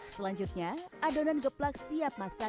selanjutnya adonan geplak siap masak